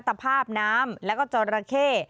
ตภาพน้ำแล้วก็จอราเข้